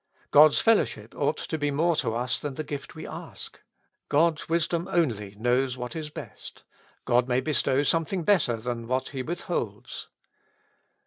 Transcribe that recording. God's fellowship ought to be more to us than the gift we ask ; God's wisdom only knows what is best ; God may bestow some thing better than what He withholds.